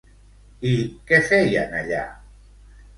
I què feien allà?